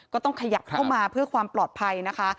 ก็ต้องขยับเข้ามาเพื่อความปลอดภัยนะคะ